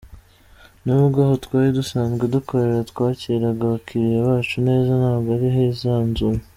Nubwo aho twari dusanzwe dukorera twakiraga abakiliya bacu neza ntabwo hari hisanzuye.